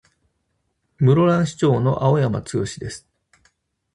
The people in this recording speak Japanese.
室蘭市長の青山剛です。